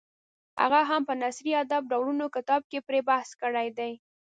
هغه هم په نثري ادب ډولونه کتاب کې پرې بحث کړی دی.